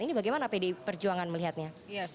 ini bagaimana pdi perjuangan melihatnya